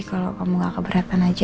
kalau kamu gak keberatan aja